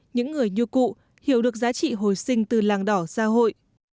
những người như cụ hiểu được giá trị hồi sinh từ làng đỏ ra hội